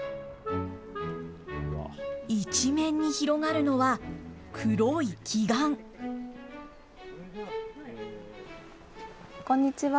一面に広がるのは、こんにちは。